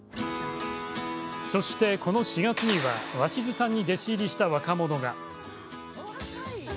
そして、この４月には鷲巣さんに弟子入りした若者が。